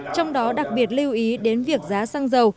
trong đó đặc biệt lưu ý đến việc giá xăng dầu